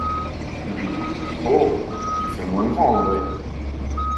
Lui : Oh, tu fais moins grand en vrai.